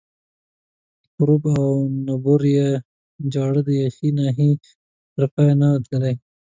پروب او انبور یا چاړه د یخې ناحیې تر پایه نه وه تللې.